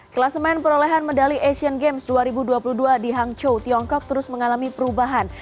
kelas men perolehan medali asian games dua ribu dua puluh dua di hangzhou tiongkok terus mengalami perubahan